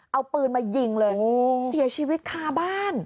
เอาปืนมายิงเลยเสียชีวิตคาบ้าน